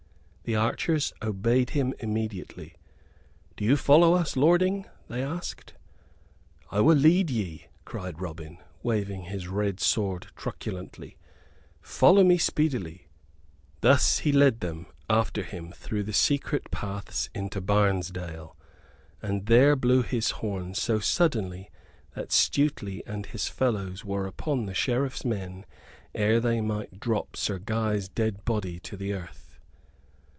The archers obeyed him immediately, "Do you follow us, lording?" they asked. "I will lead ye," cried Robin, waving his red sword truculently, "Follow me speedily." Thus he led them after him through the secret paths into Barnesdale, and there blew his horn so suddenly that Stuteley and his fellows were upon the Sheriff's men ere they might drop Sir Guy's dead body to the earth.